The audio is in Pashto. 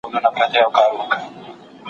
زه هره ورځ درسونه لوستل کوم،